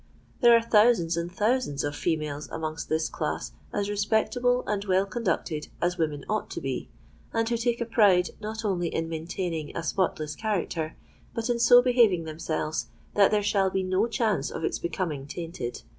There are thousands and thousands of females amongst this class as respectable and well conducted as women ought to be, and who take a pride not only in maintaining a spotless character, but in so behaving themselves that there shall be no chance of its becoming tainted.